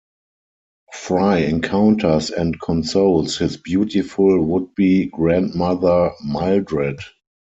Fry encounters and consoles his beautiful would-be grandmother Mildred.